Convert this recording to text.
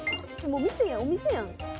もう店やんお店やん。